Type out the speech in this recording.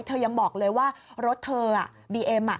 เธอยังบอกเลยว่ารถเธอเบียม